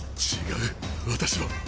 違う私は。